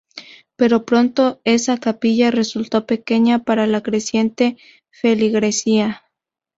Pero pronto esa capilla resultó pequeña para la creciente feligresía.